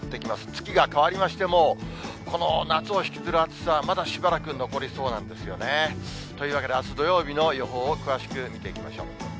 月が替わりましても、この夏を引きずる暑さ、まだしばらく残りそうなんですよね。というわけで、あす土曜日の予報を詳しく見ていきましょう。